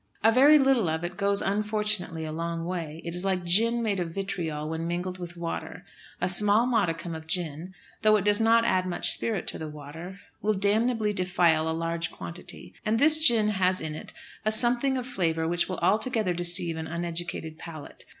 A very little of it goes unfortunately a long way. It is like gin made of vitriol when mingled with water. A small modicum of gin, though it does not add much spirit to the water, will damnably defile a large quantity. And this gin has in it a something of flavour which will altogether deceive an uneducated palate.